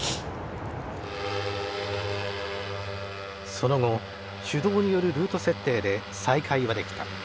その後手動によるルート設定で再開はできた。